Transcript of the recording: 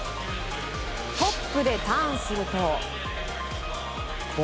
トップでターンすると。